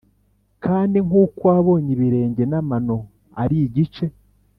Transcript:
Kandi nk uko wabonye ibirenge n amano ari igice